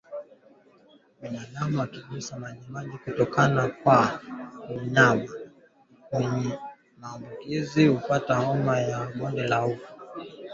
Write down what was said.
Binadamu akigusa majimaji kutoka kwa mnyama mwenye maambukizi hupata homa ya bonde la ufa